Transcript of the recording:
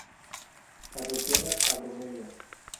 Asociada a bromelias.